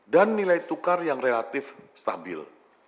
dan nilai tukar yang relatif stabil